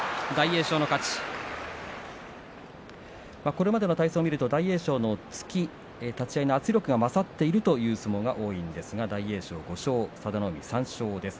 これまでの対戦を見ると大栄翔の突き立ち合いの圧力が勝っているという相撲が多いんですが大栄翔、５勝佐田の海、３勝です。